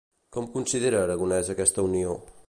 Com considera Aragonès aquesta unió?